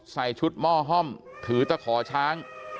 ใส่ชุดหม้อห้อมถือตะขอช้าง